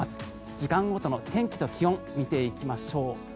時間ごとの天気と気温見ていきましょう。